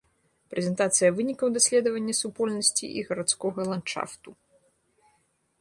Прэзентацыя вынікаў даследавання супольнасці і гарадскога ландшафту.